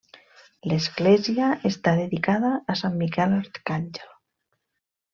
L'església està dedicada a Sant Miquel Arcàngel.